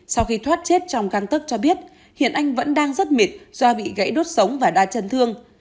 sau khi thoát chết trong găng tức cho biết hiện anh vẫn đang rất mịt do bị gãy đốt sống và đa chân thương